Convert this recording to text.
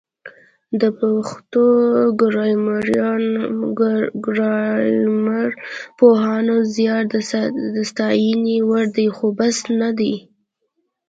د پښتو ګرامرپوهانو زیار د ستاینې وړ دی خو بس نه دی